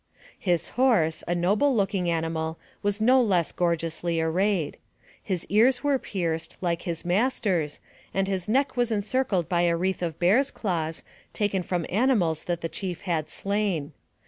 His horse, a noble looking animal, was no less gor geously arrayed. His ears were pierced, like his mas ter's, and his neck was encircled by a wreath of bears' claws, taken from animals that the chief had slain.